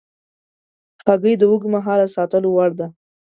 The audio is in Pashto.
هګۍ د اوږد مهاله ساتلو وړ ده.